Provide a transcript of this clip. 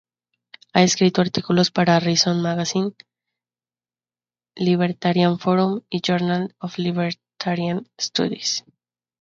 Ha escrito artículos para Reason Magazine, Libertarian Forum y Journal of Libertarian Studies.